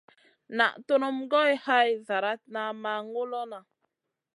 Naʼ tunum goy hay zlaratna ma ŋulona.